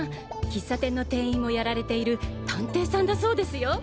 喫茶店の店員もやられている探偵さんだそうですよ。